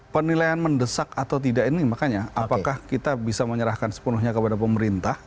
penilaian mendesak atau tidak ini makanya apakah kita bisa menyerahkan sepenuhnya kepada pemerintah